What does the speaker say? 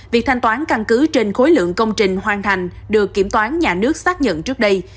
việc thanh toán căn cứ trên khối lượng công trình hoàn thành được kiểm toán nhà nước xác nhận trước đây